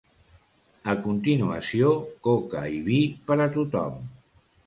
A continuació, coca i vi per a tothom.